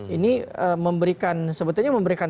ini sebetulnya memberikan